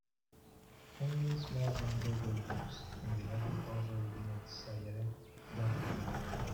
Only a small number were used, in the undercover unit Sayeret Duvdevan.